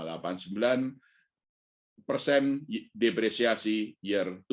dan indonesia delapan puluh sembilan depresiasi year to date